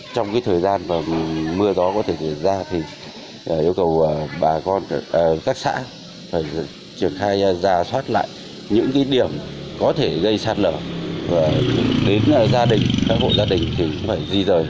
thay ra xoát lại những điểm có thể gây sát lở đến gia đình các hội gia đình thì cũng phải di rời